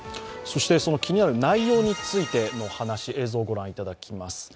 気になる内容についての話、映像を御覧いただきます。